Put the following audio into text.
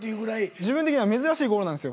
自分的には珍しいゴールなんですよ。